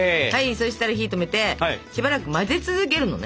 そしたら火止めてしばらく混ぜ続けるのね。